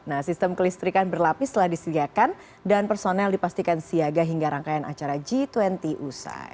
nah sistem kelistrikan berlapis telah disediakan dan personel dipastikan siaga hingga rangkaian acara g dua puluh usai